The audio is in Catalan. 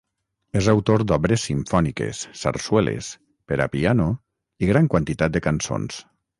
És autor d'obres simfòniques, sarsueles, per a piano i gran quantitat de cançons.